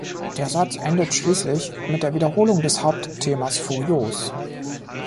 Der Satz endet schließlich mit der Wiederholung des Hauptthemas furios.